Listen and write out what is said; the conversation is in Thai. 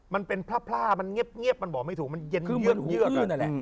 มันเป็นพร่าพร่ามันเงียบมันบอกไม่ถูกมันเย็นเยื้อคือเหมือนหูอื้อนั่นแหละ